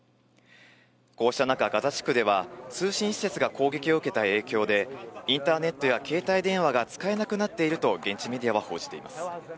こうした中、ガザ地区では通信施設が攻撃を受けた影響で、インターネットや携帯電話が使えなくなっていると、現地メディアは報じています。